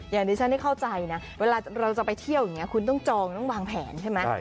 อย่างที่ฉันได้เข้าใจนะเวลาเราจะไปเที่ยวอย่างนี้คุณต้องจองต้องวางแผนใช่ไหม